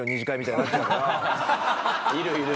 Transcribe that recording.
いるいる。